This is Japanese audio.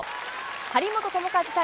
張本智和対